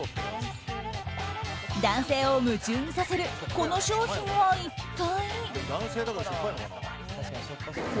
男性を夢中にさせるこの商品は一体？